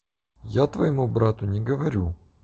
Я твоему брату не говорю.